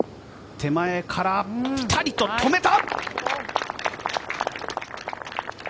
手前からぴたりと止めた！